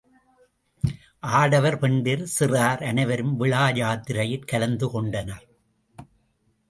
ஆடவர், பெண்டிர், சிறார் அனைவரும் விழா யாத்திரையிற் கலந்து கொண்டனர்.